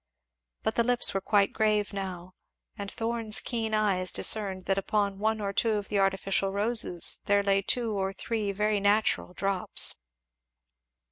But the lips were quite grave now, and Thorn's keen eyes discerned that upon one or two of the artificial roses there lay two or three very natural drops.